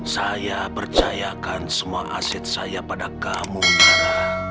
saya percayakan semua aset saya pada kamu nara